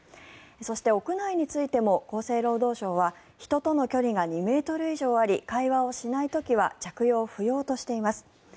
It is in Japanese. そして、屋内についても厚生労働省は人との距離が２ｍ以上あり会話をしない時は着用不要としています。